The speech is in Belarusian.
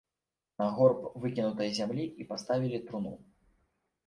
На горб выкінутай зямлі і паставілі труну.